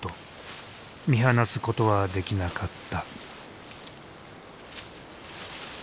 見放すことはできなかった。